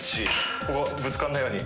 ここぶつからないように。